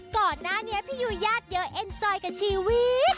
ก่อนหน้าเนี่ยพี่ยูย่าเดียวเอ็นสอยกับชีวิต